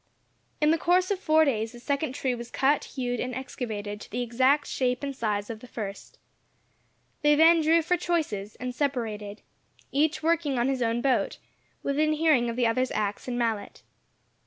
In the course of four days the second tree was cut, hewed, and excavated to the exact shape and size of the first. They then drew for choices, and separated, each working on his own boat, within hearing of the other's ax and mallet.